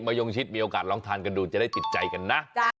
ยงชิดมีโอกาสลองทานกันดูจะได้ติดใจกันนะ